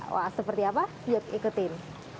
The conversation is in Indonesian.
wah seperti apa yuk ikutin